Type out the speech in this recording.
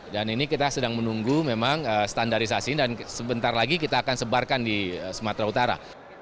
dan ini kita sedang menunggu memang standarisasi dan sebentar lagi kita akan sebarkan di sumatera utara